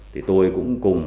thì tôi cũng cùng